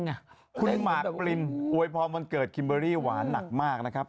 คุณหมากปรินอวยพรวันเกิดคิมเบอรี่หวานหนักมากนะครับ